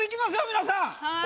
皆さん。